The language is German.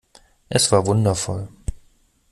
Es war wundervoll.